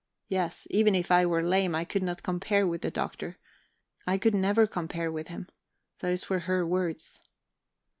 Yes, even if I were lame, I could not compare with the Doctor. I could never compare with him those were her words...